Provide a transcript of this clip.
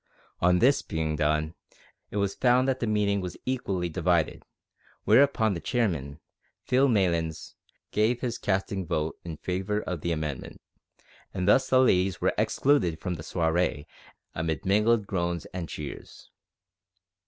On this being done, it was found that the meeting was equally divided, whereupon the chairman Phil Maylands gave his casting vote in favour of the amendment, and thus the ladies were excluded from the soiree amid mingled groans and cheers.